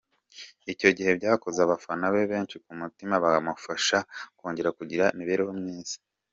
Icyo gihe byakoze abafana be benshi ku mutima bakamufasha akongera kugira imibereho myiza.